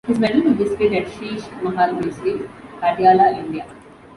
His medal is displayed at Sheesh Mahal Museum, Patiala, India.